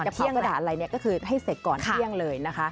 จะเผากระดานอะไรก็คือให้เสร็จก่อนเที่ยงเลย